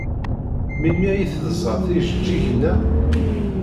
Melmi ay teẓẓa tijeǧǧigin-a?